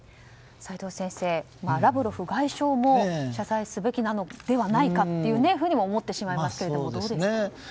齋藤先生、ラブロフ外相も謝罪すべきなのではないかというふうにも思ってしまいますけどもどうですか？